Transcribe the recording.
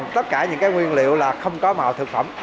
tất cả những nguyên liệu là không có màu thực phẩm